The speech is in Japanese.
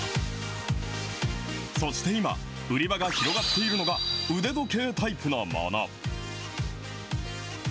そして今、売り場が広がっているのが、腕時計タイプのもの。